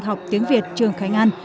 học tiếng việt trường khánh an